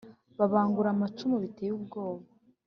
babangura amacumu biteye ubwoba.